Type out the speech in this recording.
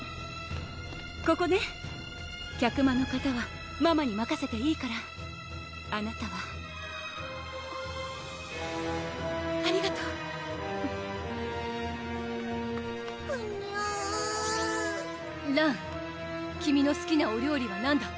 ここね客間の方はママにまかせていいからあなたはありがとうふにゅらん君のすきなお料理は何だ？